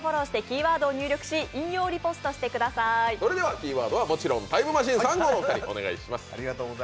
キーワードはもちろんタイムマシーン３号のお二人。